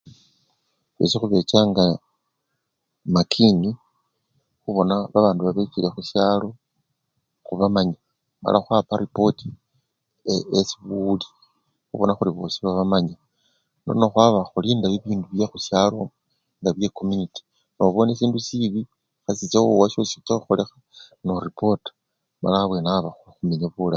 Fwesi khubechanga makini khubona babandu babechile khusyalo khubamanye mala khwapa ripota esi bebuwuli khubona khuri bosi babamanya nono khwaba khulinda bibindu byekhusyalo nga bwekomuniti nobone sindu sibi khesicha wowasyo sicha khukholekha noripota nono abwenawo khuba khekhumenya bulayi.